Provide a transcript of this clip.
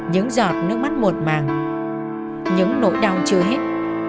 những giọt nước mắt một màng những nỗi đau chưa hết